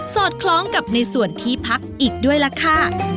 อดคล้องกับในส่วนที่พักอีกด้วยล่ะค่ะ